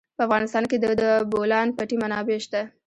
په افغانستان کې د د بولان پټي منابع شته.